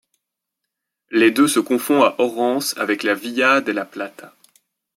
Les deux se confond à Orense avec la Vía de la Plata.